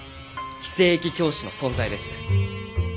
非正規教師の存在です。